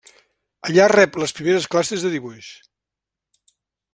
Allà rep les primeres classes de dibuix.